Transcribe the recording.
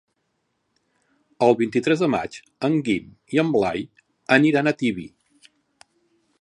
El vint-i-tres de maig en Guim i en Blai aniran a Tibi.